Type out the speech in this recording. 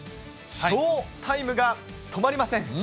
賞タイムが止まりません。